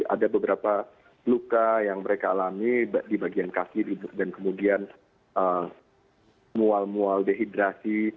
ada beberapa luka yang mereka alami di bagian kaki dan kemudian mual mual dehidrasi